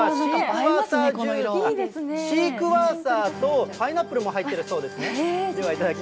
今回はシークワーサーとパイナップルも入ってるそうですね。